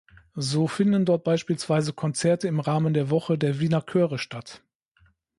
So finden dort beispielsweise Konzerte im Rahmen der Woche der Wiener Chöre statt.